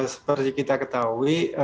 seperti kita ketahui